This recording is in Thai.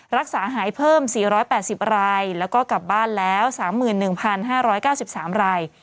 รักษาหายเพิ่ม๔๘๐รายแล้วก็กลับบ้านแล้ว๓๑๕๙๓ราย